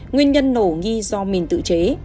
nguyên nhân nổ nghi do mình tự chế